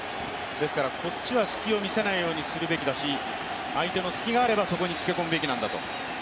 ですからこっちは隙を見せないようにするべきだし、相手の隙があれば、そこにつけ込むべきなんだと。